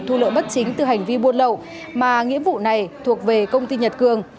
thu lợi bất chính từ hành vi buôn lậu mà nghĩa vụ này thuộc về công ty nhật cường